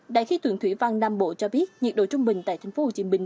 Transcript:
đại khí tượng thủy văn nam bộ cho biết nhiệt độ trung bình tại thành phố hồ chí minh